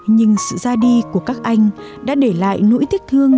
nhưng sự ra đi của các anh đã để lại nỗi tiếc thương